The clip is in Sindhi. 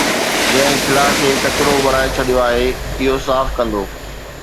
جنهن خلاءَ کي ڪچرو بڻائي ڇڏيو آهي، اهو صاف ڪندو